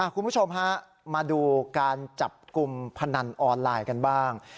คุณผู้ชมฮะมาดูการจับกลุ่มพนันออนไลน์กันบ้าง